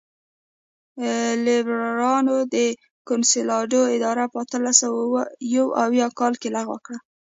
لېبرالانو د کنسولاډو اداره په اتلس سوه یو اویا کال کې لغوه کړه.